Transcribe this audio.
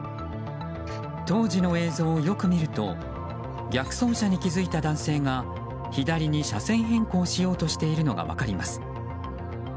当時の映像をよく見ると逆走車に気付いた男性が左に車線変更しようとしているのが分かります。